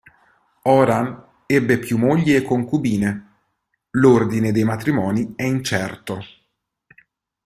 Orhan ebbe più mogli e concubine; l'ordine dei matrimoni è incerto.